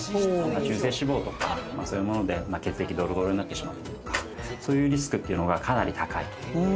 中性脂肪とかそういうもので血液ドロドロになってしまったり、そういうリスクというのがかなり高い。